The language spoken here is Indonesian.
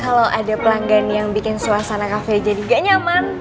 kalau ada pelanggan yang bikin suasana kafe jadi gak nyaman